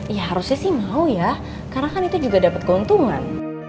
ya harusnya sih mau ya karena kan itu juga dapat keuntungan